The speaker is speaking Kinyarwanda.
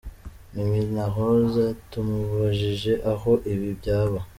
Mimi LaRose tumubajije aho ibi byaba.